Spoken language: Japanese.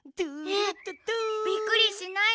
えっびっくりしないの？